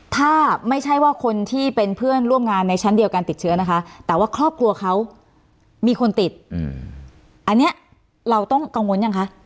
ถ้าไม่ใช่ว่าคนที่เป็นเพื่อนร่วมงานในชั้นเดียวกันติดเชื้อนะคะแต่ว่าครอบครัวเขามีคนติดอันนี้เราต้องกังวลยังคะ